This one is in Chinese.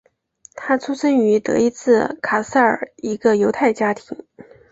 他出生于德意志卡塞尔一个犹太家庭。